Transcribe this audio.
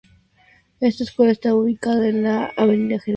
Esta escuela estaba ubicada en la Avenida General Prim.